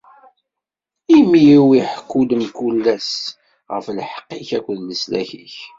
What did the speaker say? Imi-w iḥekku mkul ass ɣef lḥeqq-ik akked leslak-ik.